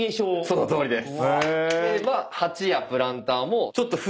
そのとおりです。